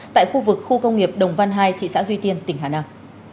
tại khu vực khu công nghiệp đồng văn hai thị xã duy tiên tỉnh hà nam